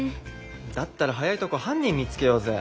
だったら早いとこ犯人見つけようぜ。